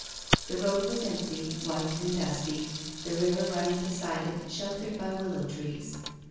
The road was empty, white, and dusty, the river running beside it sheltered by willow trees.